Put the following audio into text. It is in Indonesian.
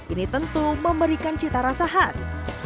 ini tentu memberikan cita rasa khas